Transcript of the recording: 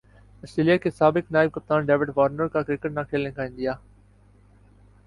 Australia کے سابق نائب کپتان ڈیوڈ وارنر کا کرکٹ نہ کھیلنے کا عندیہ